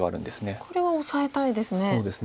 これはオサえたいですね。